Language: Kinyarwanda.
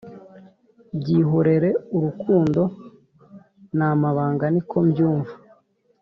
byihorere urukundo n’amabanga niko byumva